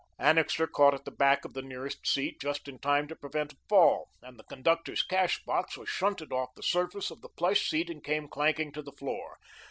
Annixter caught at the back of the nearest seat, just in time to prevent a fall, and the conductor's cash box was shunted off the surface of the plush seat and came clanking to the floor.